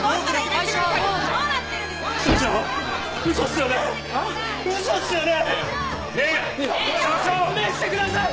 説明してください！